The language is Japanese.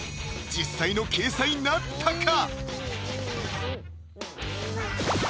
実際の掲載なったか？